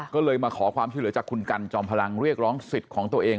ก็เลยมาขอความช่วยเหลือจากคุณกันจอมพลังเรียกร้องสิทธิ์ของตัวเอง